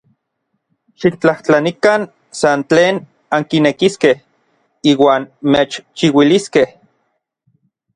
Xiktlajtlanikan san tlen ankinekiskej, iuan mechchiuiliskej.